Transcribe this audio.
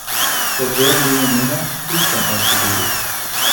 Dort werden junge Männer zu Priestern ausgebildet.